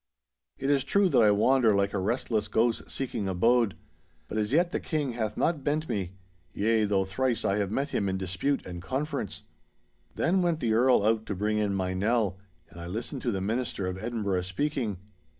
It is true that I wander like a restless ghost seeking abode; but as yet the King hath not bent me—yea, though thrice I have met him in dispute and conference.' Then went the Earl out to bring in my Nell, and I listened to the minister of Edinburgh speaking.